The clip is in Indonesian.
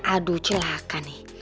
aduh celaka nih